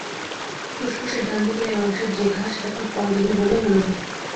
ফুসফুসের ডানদিকের এই অংশের যে ঘা সেটা খুব কম দিনের বলেই মনে হয়।